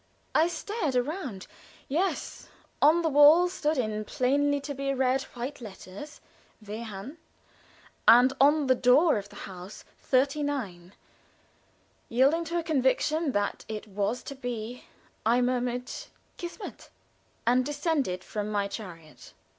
I stared around. Yes on the wall stood in plainly to be read white letters, "Wehrhahn," and on the door of the house, 39. Yielding to a conviction that it was to be, I murmured "Kismet," and descended from my chariot.